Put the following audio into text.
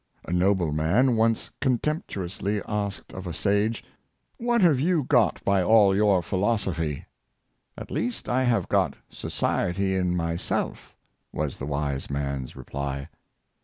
A nobleman once contemptuously asked of a sage, ^' What have you got by all your philosophy.^ "^' At least I have got society in myself," was the wise man's reply.